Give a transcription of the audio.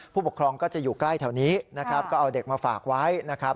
ผู้ปกครองก็จะอยู่ใกล้แถวนี้นะครับก็เอาเด็กมาฝากไว้นะครับ